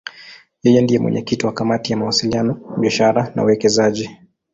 Yeye ndiye mwenyekiti wa Kamati ya Mawasiliano, Biashara na Uwekezaji.